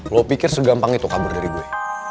lo pikir segampang itu kabar dari gue